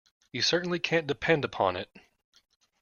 You certainly can't depend upon it.